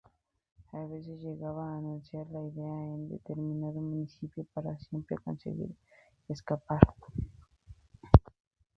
A veces llegaba a anunciar la ida en determinado municipio, pero siempre conseguía escapar.